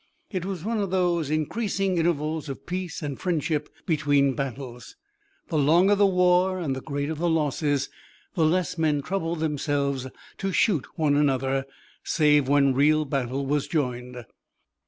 It was one of those increasing intervals of peace and friendship between battles. The longer the war and the greater the losses the less men troubled themselves to shoot one another save when real battle was joined.